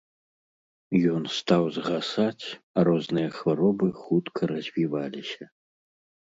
Ён стаў згасаць, а розныя хваробы хутка развіваліся.